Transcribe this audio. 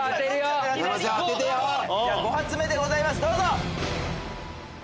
５発目でございますどうぞ！